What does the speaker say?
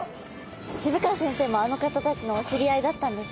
渋川先生もあの方たちのお知り合いだったんですね。